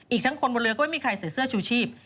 อีกทั้งคนบนเรือก็ไม่มีใครใส่เสื้อชูชีพ